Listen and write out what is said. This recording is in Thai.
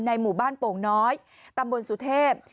หมู่บ้านโป่งน้อยตำบลสุเทพ